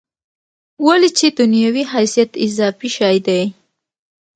ولې چې دنیا وي حیثیت اضافي شی دی.